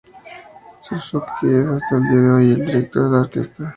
Suzuki es hasta el día de hoy el director de la orquesta.